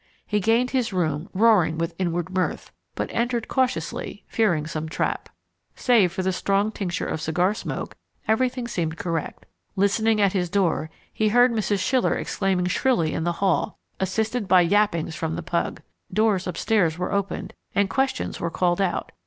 He gained his room roaring with inward mirth, but entered cautiously, fearing some trap. Save for a strong tincture of cigar smoke, everything seemed correct. Listening at his door he heard Mrs. Schiller exclaiming shrilly in the hall, assisted by yappings from the pug. Doors upstairs were opened, and questions were called out.